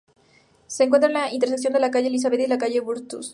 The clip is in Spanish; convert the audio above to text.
Se encuentra en la intersección de la calle Elizabeth y la calle Bathurst.